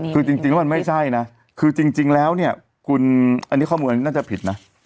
คือจริงแล้วมันไม่ใช่นะคือจริงแล้วเนี่ยคุณอันนี้ข้อมูลน่าจะผิดนะ